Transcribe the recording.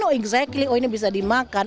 mereka tahu benar benar oh ini bisa dimakan